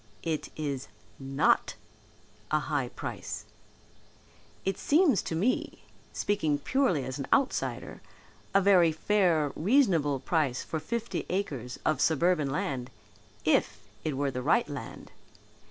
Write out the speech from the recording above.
"It is not a high price. It seems to me, speaking purely as an outsider, a very fair, reasonable price for fifty acres of suburban land, if it were the right land.